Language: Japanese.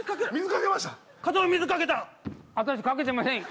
私掛けてません。